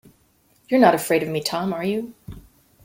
You're not afraid of me, Tom, are you?